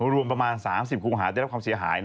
รวมประมาณ๓๐ครูหาได้รับความเสียหาย